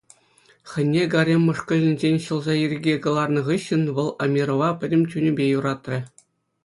Хӑйне гарем мӑшкӑлӗнчен ҫӑлса ирӗке кӑларнӑ хыҫҫӑн вӑл Амирова пӗтӗм чунӗпе юратрӗ.